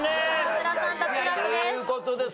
沢村さん脱落です。